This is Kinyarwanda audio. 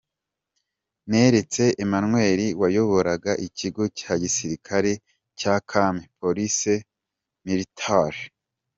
Neretse Emmanuel wayoboraga ikigo cya gisirikari cya Kami, police Militaire.